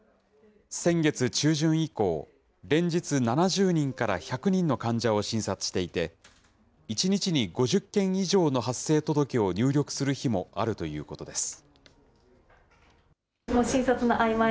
先月中旬以降、連日、７０人から１００人の患者を診察していて、１日に５０件以上の発生届を入力する日もあるということです。